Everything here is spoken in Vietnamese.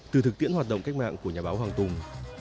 từ thực tiễn hoạt động cách mạng của nhà báo hoàng tùng